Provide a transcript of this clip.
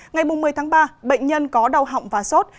ngày một mươi tháng ba bệnh nhân có đau họng và sốt